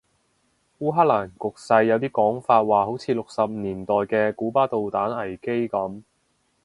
烏克蘭局勢有啲講法話好似六十年代嘅古巴導彈危機噉